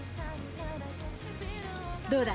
どうだ？